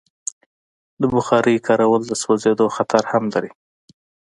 د بخارۍ کارول د سوځېدو خطر هم لري.